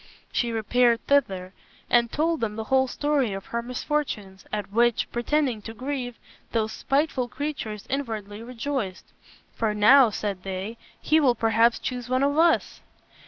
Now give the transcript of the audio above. She repaired thither and told them the whole story of her misfortunes, at which, pretending to grieve, those spiteful creatures inwardly rejoiced. "For now," said they, "he will perhaps choose one of us."